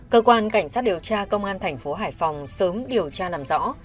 cơ quan cảnh sát điều tra công an thành phố hải phòng sớm điều tra làm rõ